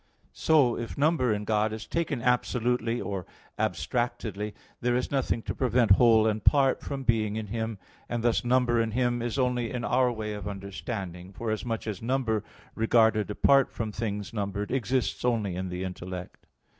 So, if number in God is taken absolutely or abstractedly, there is nothing to prevent whole and part from being in Him, and thus number in Him is only in our way of understanding; forasmuch as number regarded apart from things numbered exists only in the intellect.